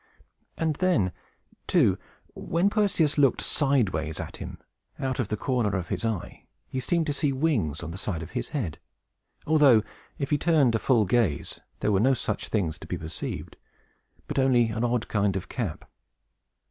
And then, too, when Perseus looked sideways at him, out of the corner of his eye, he seemed to see wings on the side of his head; although if he turned a full gaze, there were no such things to be perceived, but only an odd kind of cap.